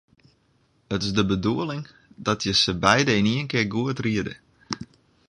It is de bedoeling dat je se beide yn ien kear goed riede.